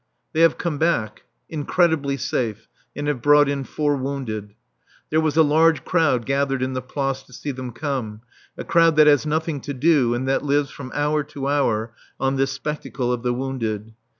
They have come back, incredibly safe, and have brought in four wounded. There was a large crowd gathered in the Place to see them come, a crowd that has nothing to do and that lives from hour to hour on this spectacle of the wounded.